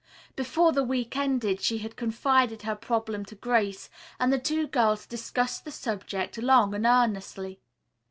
Before the week ended she had confided her problem to Grace and the two girls discussed the subject long and earnestly.